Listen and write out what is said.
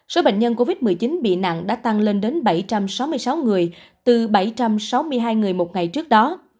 số bệnh nhân covid một mươi chín bị nặng đã tăng lên đến bảy trăm sáu mươi sáu người từ bảy trăm sáu mươi hai người một ngày trước đó